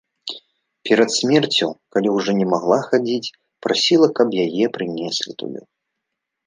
Перад смерцю, калі ўжо не магла хадзіць, прасіла, каб яе прынеслі туды.